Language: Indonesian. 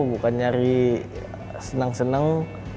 bukan nyari senang senang